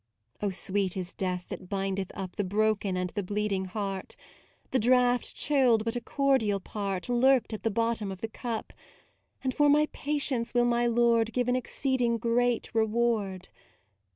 Oh sweet is death that bindeth up The broken and the bleeding heart. The draught chilled but a cordial part MAUDE 99 Lurked at the bottom of the cup, And for my patience will my Lord Give an exceeding great reward.